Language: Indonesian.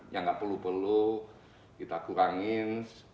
yang gak perlu perlu kita kurangin